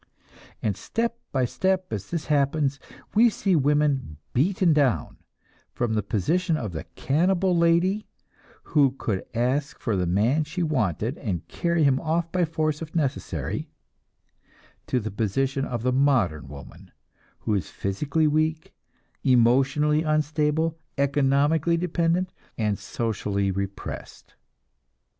And step by step as this happens, we see women beaten down, from the position of the cannibal lady, who could ask for the man she wanted and carry him off by force if necessary, to the position of the modern woman, who is physically weak, emotionally unstable, economically dependent, and socially repressed.